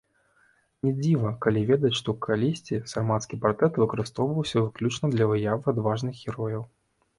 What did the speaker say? Не дзіва, калі ведаць, што калісьці сармацкі партрэт выкарыстоўваўся выключна для выявы адважных герояў.